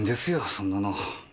そんなの。